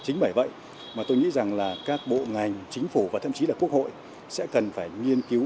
chính bởi vậy mà tôi nghĩ rằng là các bộ ngành chính phủ và thậm chí là quốc hội sẽ cần phải nghiên cứu